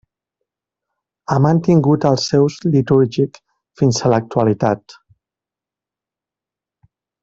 Ha mantingut el seu ús litúrgic fins a l'actualitat.